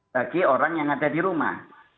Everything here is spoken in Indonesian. bagi orang yang ada di rumah